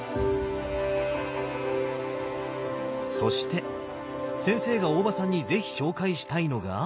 そして先生が大場さんに是非紹介したいのが。